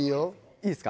いいですか？